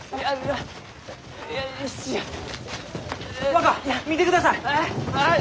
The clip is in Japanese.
若見てください！